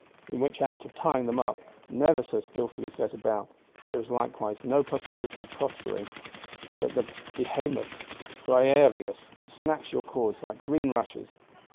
In which act of tying up, never so skilfully set about, there is likewise no possibility of prospering; but the Behemoth Briareus snaps your cords like green rushes.